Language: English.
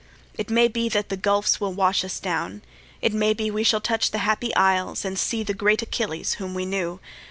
It may be that the gulfs will wash us down: It may be we shall touch the Happy Isles, And see the great Achilles, whom we knew.